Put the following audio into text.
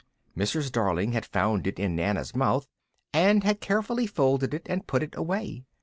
Mrs. Darling had found it in Nana's mouth, and had carefully folded it and put it away.